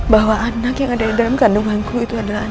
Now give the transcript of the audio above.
bahwa anak yang ada di dalam kandunganku itu adalah anak